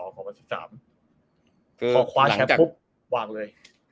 พอคว้าแชมป์ปุ๊บวางเลย